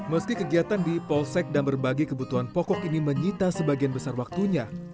meski kegiatan di polsek dan berbagai kebutuhan pokok ini menyita sebagian besar waktunya